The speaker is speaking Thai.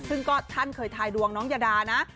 ซึ่งก็ท่านเคยทายดวงน้องยาดานะ